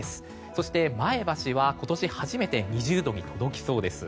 そして、前橋は今年初めて２０度に届きそうです。